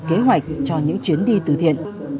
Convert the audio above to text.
kế hoạch cho những chuyến đi từ thiện